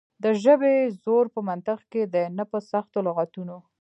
د ژبې زور په منطق کې دی نه په سختو لغتونو.